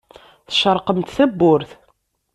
Tcerrqemt tawwurt.